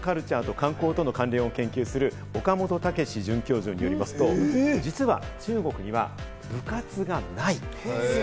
日本カルチャーと観光との関連を研究する岡本健准教授によりますと実は中国には部活がない。